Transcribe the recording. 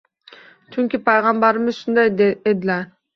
Chunki payg‘ambarimiz shunday edilar